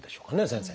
先生。